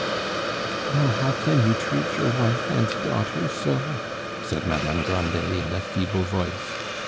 "Oh, how can you treat your wife and daughter so!" said Madame Grandet in a feeble voice.